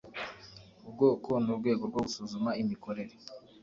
ubwoko n’urwego rwo gusuzuma imikorere